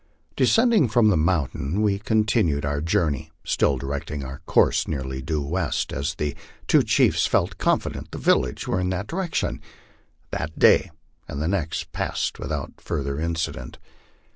Descending from the mountain, we continued our journey, still directing our course nearly due west, as the two chiefs felt confident the villages were in that direction. That day and the next passed without further incident.